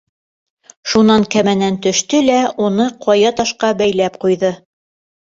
Шунан кәмәнән төштө лә уны ҡая ташҡа бәйләп ҡуйҙы.